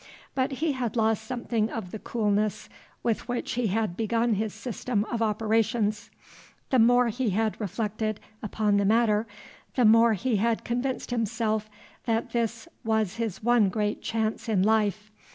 But he had lost something of the coolness with which he had begun his system of operations. The more he had reflected upon the matter, the more he had convinced himself that this was his one great chance in life.